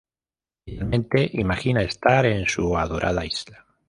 Finalmente imagina estar en su adorada isla.